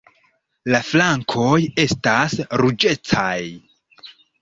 La flankoj estas ruĝecaj.